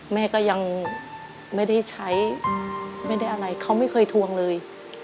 แม่ก็ยังไม่ได้ใช้ไม่ได้อะไรเขาไม่เคยทวงเลย